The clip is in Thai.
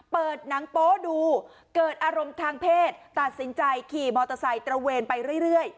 เปิดหนังโป๊ดูเกิดอารมณ์ทางเพศตัดสินใจขี่มอเตอร์ไซค์ตระเวนไปเรื่อย